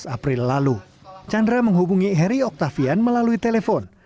tujuh belas april lalu chandra menghubungi heri oktavian melalui telepon